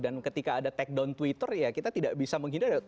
dan ketika ada takedown twitter ya kita tidak bisa menghindari